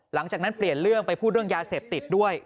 หลังจากนั้นเปลี่ยนเรื่องไปพูดเรื่องยาเสพติดด้วย